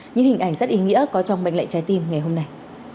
những hình ảnh rất ý nghĩa có trong mệnh lệnh trái tim ngày hôm nay